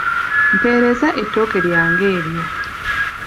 Mpeereza ettooke lyange eryo.